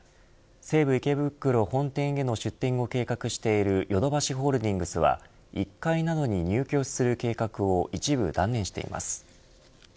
西武、池袋本店への出店を計画しているヨドバシホールディングスは１階などにに入居する計画を一部、断念しています。